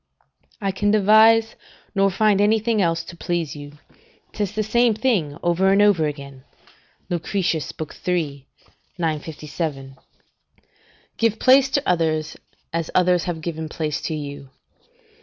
["I can devise, nor find anything else to please you: 'tis the same thing over and over again." Lucretius iii. 957] "Give place to others, as others have given place to you.